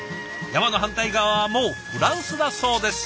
山の反対側はもうフランスだそうです。